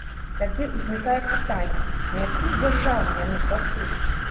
Тады ўзнікае пытанне, на якую дзяржаву яны працуюць?